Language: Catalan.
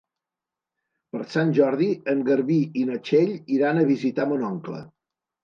Per Sant Jordi en Garbí i na Txell iran a visitar mon oncle.